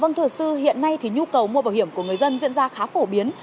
vâng thưa sư hiện nay thì nhu cầu mua bảo hiểm của người dân diễn ra khá phổ biến